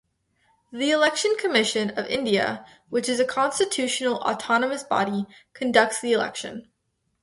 The Election Commission of India, which is a constitutional autonomous body, conducts the election.